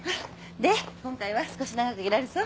で今回は少し長くいられそう？